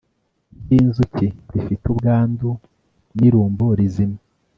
ry inzuki zifite ubwandu n irumbo rizima